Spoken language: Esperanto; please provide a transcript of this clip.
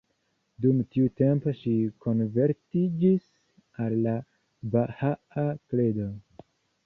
Dum tiu tempo ŝi konvertiĝis al la bahaa kredo.